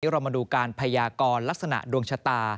เรามาดูการพยากรลักษณะดวงชะตา